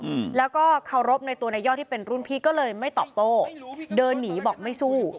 อืมแล้วก็เคารพในตัวนายยอดที่เป็นรุ่นพี่ก็เลยไม่ตอบโต้เดินหนีบอกไม่สู้